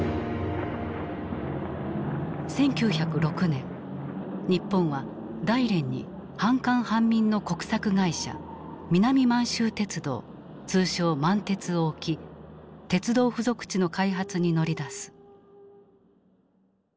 １９０６年日本は大連に半官半民の国策会社南満州鉄道通称「満鉄」を置き鉄道付属地の開発に乗り出す。